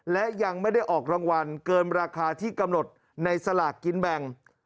และยังไม่ได้ออกรางวัลเกินราคาที่กำหนดในสลากกินแบ่ง